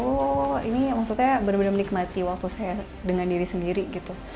oh ini maksudnya benar benar menikmati waktu saya dengan diri sendiri gitu